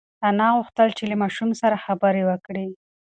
انا غوښتل چې له ماشوم سره خبرې وکړي.